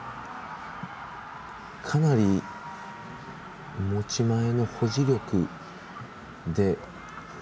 かなり持ち前の保持力で。